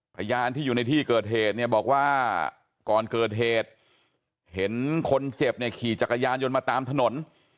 พยานที่อยู่ในที่เกิดเหตุเนี่ยบอกว่าก่อนเกิดเหตุเห็นคนเจ็บเนี่ยขี่จักรยานยนต์มาตามถนน